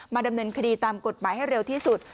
ดำเนินคดีตามกฎหมายให้เร็วที่สุด